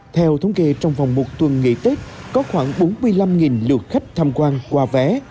theo thống kê trong vòng một tuần nghỉ tết có khoảng bốn mươi năm lượt khách tham quan qua vé